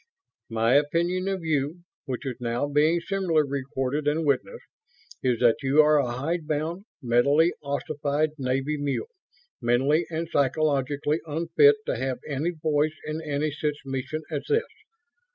My opinion of you, which is now being similarly recorded and witnessed, is that you are a hidebound, mentally ossified Navy mule; mentally and psychologically unfit to have any voice in any such mission as this.